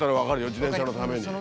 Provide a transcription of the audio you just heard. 自転車のために。